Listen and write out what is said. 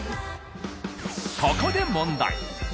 ［ここで問題］